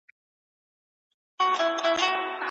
موږ د ده په تماشا یو شپه مو سپینه په خندا سي